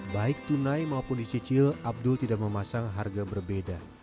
baik tunai maupun dicicil abdul tidak memasang harga berbeda